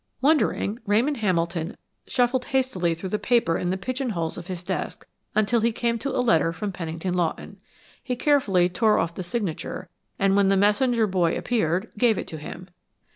Wondering, Ramon Hamilton shuffled hastily through the paper in the pigeon holes of his desk until he came to a letter from Pennington Lawton. He carefully tore off the signature, and when the messenger boy appeared, gave it to him.